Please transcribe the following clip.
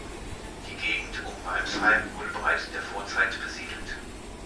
Die Gegend um Meimsheim wurde bereits in der Vorzeit besiedelt.